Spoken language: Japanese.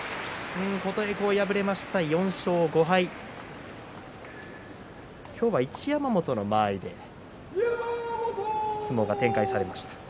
琴恵光敗れました、４勝５敗今日は一山本の間合いで相撲が展開されました。